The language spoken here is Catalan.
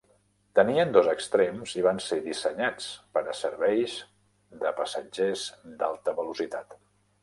Tenien dos extrems i van ser dissenyats per a serveis de passatgers d'alta velocitat.